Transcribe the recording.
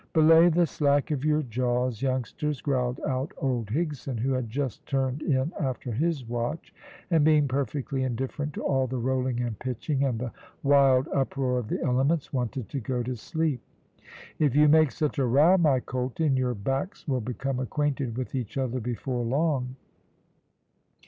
"Belay the slack of your jaws, youngsters," growled out old Higson, who had just turned in after his watch, and being perfectly indifferent to all the rolling and pitching, and the wild uproar of the elements, wanted to go to sleep. "If you make such a row, my colt and your backs will become acquainted with each other before long."